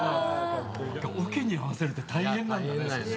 オケに合わせるって大変なんだね。